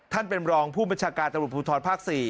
ท่านเป็นรองผู้บัญชาการตำรวจภูทรภาค๔